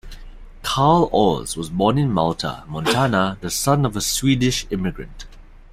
Karl Ohs was born in Malta, Montana, the son of a Swedish immigrant.